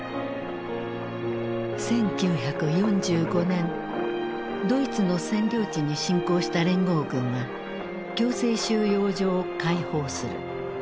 １９４５年ドイツの占領地に侵攻した連合軍は強制収容所を解放する。